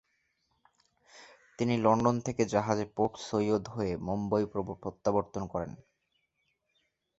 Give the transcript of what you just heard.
তিনি লন্ডন থেকে জাহাজে পোর্ট সৈয়দ হয়ে মুম্বই প্রত্যাবর্তন করেন।